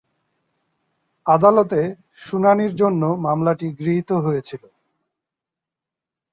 আদালতে শুনানির জন্য মামলাটি গৃহীত হয়েছিল।